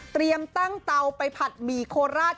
เตรียมตั้งเตาไปผัดหมี่โคลาส